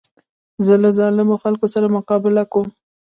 زه له ظالمو خلکو سره مقابله کوم.